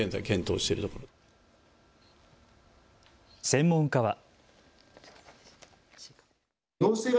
専門家は。